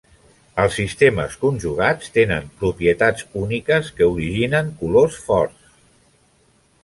Els sistemes conjugats tenen propietats úniques que originen colors forts.